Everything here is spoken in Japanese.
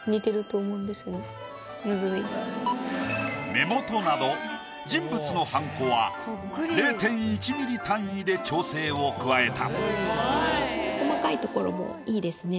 目元など人物のはんこは０．１ｍｍ単位で調整を加えた。